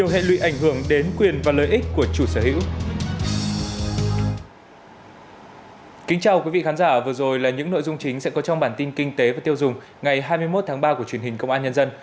chào quý vị khán giả vừa rồi là những nội dung chính sẽ có trong bản tin kinh tế và tiêu dùng ngày hai mươi một tháng ba của truyền hình công an nhân dân